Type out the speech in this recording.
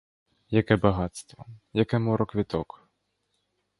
Яке багатство, яке море квіток!